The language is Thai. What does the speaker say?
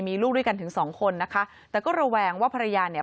มีลูกด้วยกันถึงสองคนนะคะแต่ก็ระแวงว่าภรรยาเนี่ย